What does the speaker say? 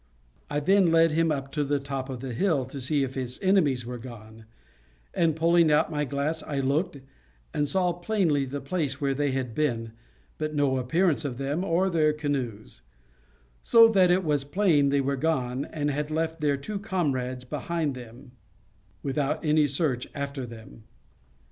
I then led him up to the top of the hill, to see if his enemies were gone; and pulling out my glass I looked, and saw plainly the place where they had been, but no appearance of them or their canoes; so that it was plain they were gone, and had left their two comrades behind them, without any search after them.